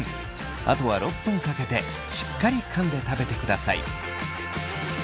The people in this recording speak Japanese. あとは６分かけてしっかりかんで食べてください。